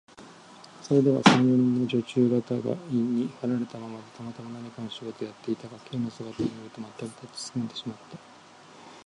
そこでは、三、四人の女中がたがいに離れたままで、たまたま何かの仕事をやっていたが、Ｋ の姿を見ると、まったく立ちすくんでしまった。